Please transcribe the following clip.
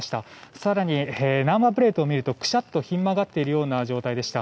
更に、ナンバープレートを見るとひん曲がっているような状態でした。